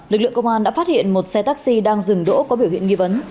lực lượng công an đã phát hiện một xe taxi đang dừng đỗ có biểu hiện nghi vấn